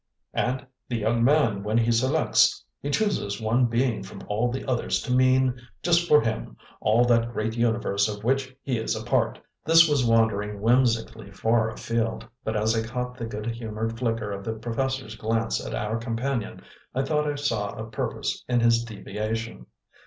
And the young man, when he selects, he chooses one being from all the others to mean just for him all that great universe of which he is a part." This was wandering whimsically far afield, but as I caught the good humoured flicker of the professor's glance at our companion I thought I saw a purpose in his deviation.